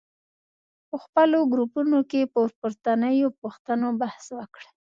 په خپلو ګروپونو کې پر پورتنیو پوښتنو بحث وکړئ.